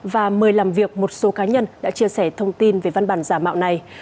và mời làm việc một số cá nhân đã chia sẻ thông tin về văn bản giả mạo này